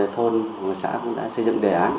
thôn xã cũng đã xây dựng đề án